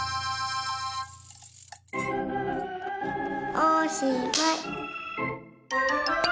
おしまい！